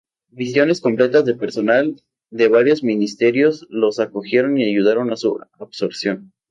Misiones completas de personal de varios ministerios los acogieron y ayudaron a su absorción.